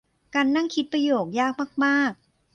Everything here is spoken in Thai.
การนั่งคิดประโยคยากมากมาก